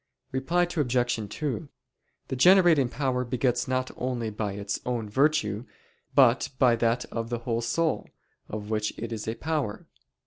Reply Obj. 2: The generating power begets not only by its own virtue but by that of the whole soul, of which it is a power.